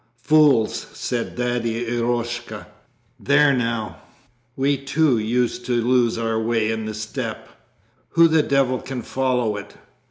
'Fools!' said Daddy Eroshka. 'There now, we too used to lose our way in the steppe. (Who the devil can follow it?)